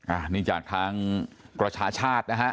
อานี่จากทางประชาชาตินะ